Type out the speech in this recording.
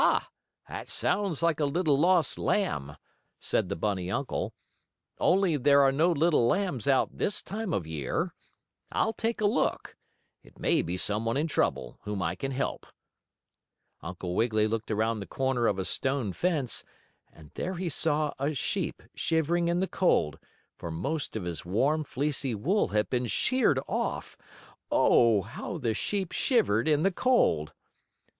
"Ha! That sounds like a little lost lamb," said the bunny uncle, "only there are no little lambs out this time of year. I'll take a look. It may be some one in trouble, whom I can help." Uncle Wiggily looked around the corner of a stone fence, and there he saw a sheep shivering in the cold, for most of his warm, fleecy wool had been sheared off. Oh! how the sheep shivered in the cold.